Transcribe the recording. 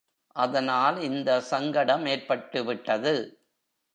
அதனால், இந்த சங்கடம் ஏற்பட்டுவிட்டது.